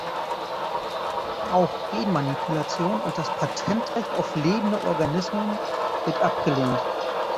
Auch Genmanipulation und das Patentrecht auf lebende Organismen wird abgelehnt.